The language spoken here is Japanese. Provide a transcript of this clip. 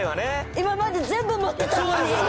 今まで全部持ってたのに！